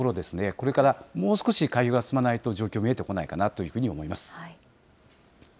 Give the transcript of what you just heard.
これからもう少し、開票が進まないと、状況見えてこないかなと思います。